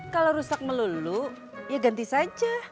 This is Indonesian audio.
kalau rusak melulu ya ganti saja